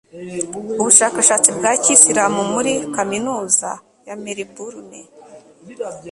u bushakashatsi bwa kisilamu muri kaminuza ya Melbourne